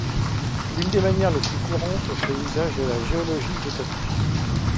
L'une des manières les plus courantes fait usage de la géologie isotopique.